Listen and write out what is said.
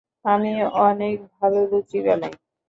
আমি অনেক ভালো লুচি বানাই।